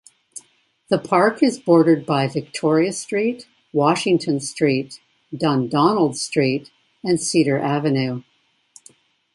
The park is bordered by Victoria Street, Washington Street, Dundonald Street and Cedar Avenue.